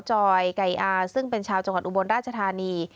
จอยไก่อาซึ่งเป็นชาวจังหวัดอุบลราชธานี